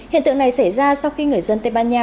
hiện tượng này xảy ra sau khi người dân tây ban nha